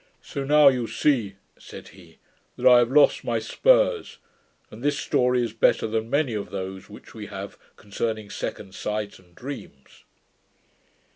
'So now you see,' said he, 'that I have lost my spurs; and this story is better than many of those which we have concerning second sight and dreams.'